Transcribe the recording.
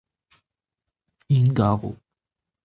int 'garo.